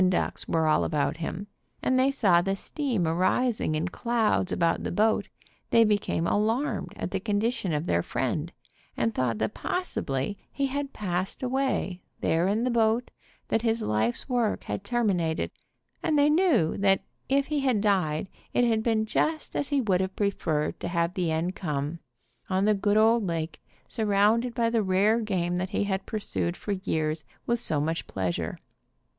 ducks were all about him, and they saw the steam arising in clouds about the boat, they became alarmed at the condition of their friend, and thought that pos sibly he had passed away, there in the boat, that his life's work had terminated, and they knew if he had died it had been just as he would have preferred to have the end come, on the good old lake, surrounded 68 AN EXPERIMENTAL TURKISH BATH by the rare game that he had pursued for years with so much pleasure.